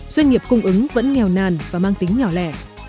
doanh nghiệp cung ứng vẫn nghèo nàn và mang tính nhỏ lẻ